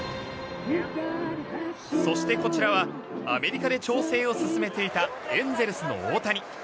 そしてこちらはアメリカで調整を進めていたエンゼルスの大谷。